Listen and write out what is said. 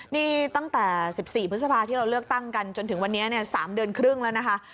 นี่ตั้งแต่๑๔พฤษภาที่เราเลือกตั้งกันจนถึงวันนี้๓เดือนครึ่งแล้วนะคะ